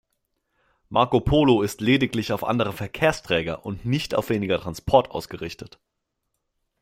Marco Polo ist lediglich auf andere Verkehrsträger und nicht auf weniger Transport ausgerichtet.